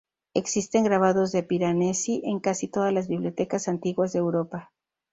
Existen grabados de Piranesi en casi todas las bibliotecas antiguas de Europa.